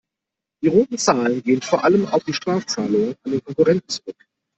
Die roten Zahlen gehen vor allem auf die Strafzahlungen an den Konkurrenten zurück.